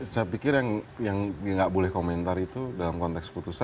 saya pikir yang nggak boleh komentar itu dalam konteks putusan